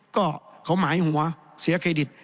ก็เขาหมายหัวเสียเครดิต